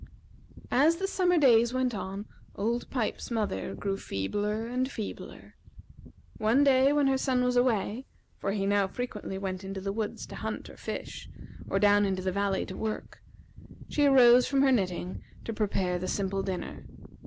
As the summer days went on, Old Pipes's mother grew feebler and feebler. One day when her son was away, for he now frequently went into the woods to hunt or fish, or down into the valley to work, she arose from her knitting to prepare the simple dinner.